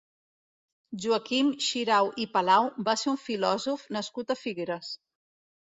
Joaquim Xirau i Palau va ser un filòsof nascut a Figueres.